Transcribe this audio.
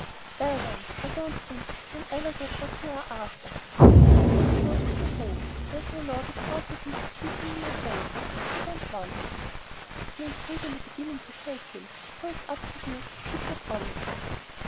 "Well, then I don't think you'll ever get what you're after." "Then he goes to the Home, there's no law that forces me to keep him in my place if I don't want to." "You agreed in the beginning to take him, so it's up to you to keep your promise."